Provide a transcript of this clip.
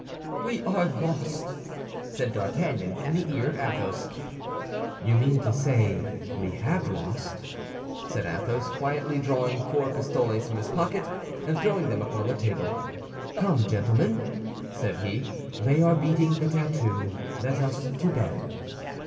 "We are lost," said D'Artagnan, in the ear of Athos. "You mean to say we have lost," said Athos, quietly, drawing four pistoles from his pocket and throwing them upon the table. "Come, gentlemen," said he, "they are beating the tattoo. Let us to bed!"